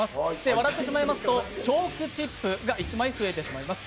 笑ってしまいますと、チョークチップが１枚増えてしまいます。